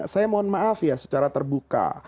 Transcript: saya mohon maaf ya secara terbuka